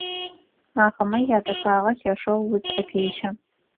Ахэмэ ядэхагъэ лъэшэу узыӏэпещэ.